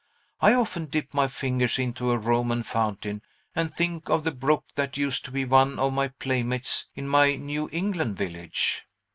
I often dip my fingers into a Roman fountain, and think of the brook that used to be one of my playmates in my New England village."